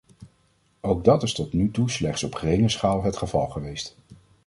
Ook dat is tot nu toe slechts op geringe schaal het geval geweest.